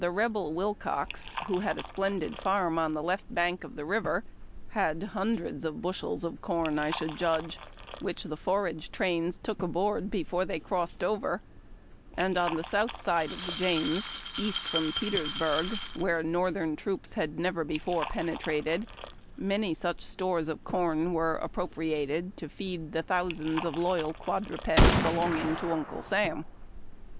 Rebel Wilcox, who had a splendid farm on the left bank of the river, had hundreds of bushels of corn, I should judge, which the forage trains took aboard before they crossed over ; and on the south side of the James, east from Petersburg, wiiere Northern troops had never before pene A CORN BARN AND HAY KICK. trated, many such stores of corn were appropriated to feed the thousands of loyal quadrupeds belonging to Uncle Sam.